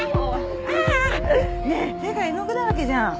ああねえ手が絵の具だらけじゃん。